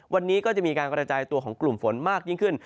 วันนี้ก็จะมีการกระจายตัวของกลุ่มฝนมากยิ่งขึ้น